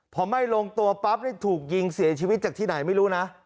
พอไม่ลงตัวปั๊บนี่ถูกยิงเสียชีวิตจากที่ไหนไม่รู้นะ